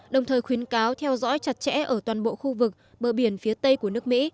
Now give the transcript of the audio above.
đồng thời khuyến cáo theo dõi chặt chẽ ở toàn bộ khu vực bờ biển phía tây của nước mỹ